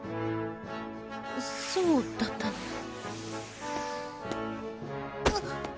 そうだったの。